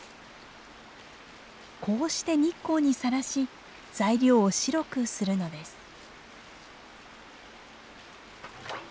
こうして日光にさらし材料を白くするのです。